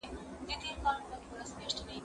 زه کتابتون ته تللی دی،